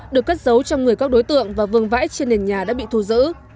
được cất giấu trong người các đối tượng và vương vãi trên nền nhà đã bị thu giữ